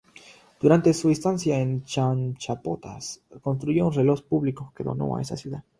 Durante su estancia en Chachapoyas construyó un reloj público que donó a esa ciudad.